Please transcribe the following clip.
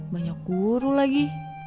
banyak guru lagi